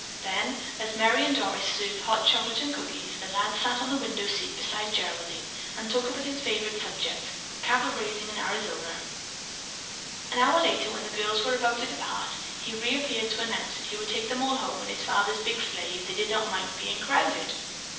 Then, as Merry and Doris served hot chocolate and cookies, the lad sat on the window seat beside Geraldine and talked about his favorite subject, cattle raising in Arizona. An hour later, when the girls were about to depart, he reappeared to announce that he would take them all home in his father's big sleigh if they did not mind being crowded.